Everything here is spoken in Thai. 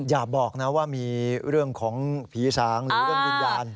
อย่าบอกนะว่ามีเรื่องของผีสางหรือเรื่องวิญญาณ